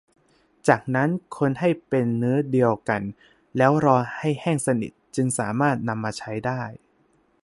จากนั้นคนให้เป็นเนื้อเดียวกันแล้วรอให้แห้งสนิทจึงสามารถนำมาใช้ได้